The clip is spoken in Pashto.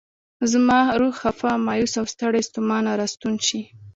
زما روح خفه، مایوس او ستړی ستومان راستون شي.